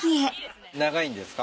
長いんですか？